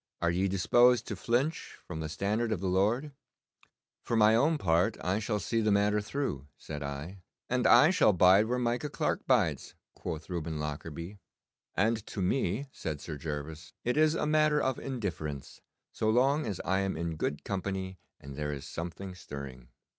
Are ye disposed to flinch from the standard of the Lord?' 'For my own part I shall see the matter through,' said I. 'And I shall bide where Micah Clarke bides,' quoth Reuben Lockarby. 'And to me,' said Sir Gervas, 'it is a matter of indifference, so long as I am in good company and there is something stirring.